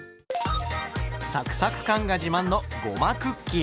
サクサク感が自慢のごまクッキー。